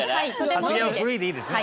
発言は古いでいいですね？